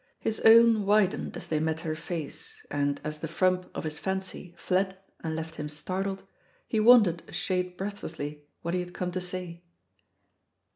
His own widened as they met her face, and as the frump of his fancy fled and left him startled, he wondered a shade breath lessly what he had come to say.